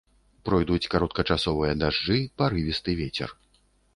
Пройдуць кароткачасовыя дажджы, парывісты вецер.